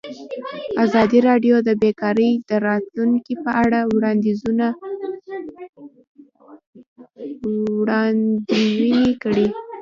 ازادي راډیو د بیکاري د راتلونکې په اړه وړاندوینې کړې.